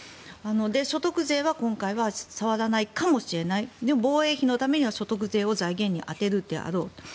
所得税は今回は触らないかもしれない防衛費のためには所得税を財源に充てるだろうと。